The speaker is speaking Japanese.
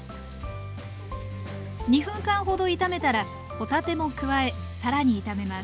２分間ほど炒めたら帆立ても加えさらに炒めます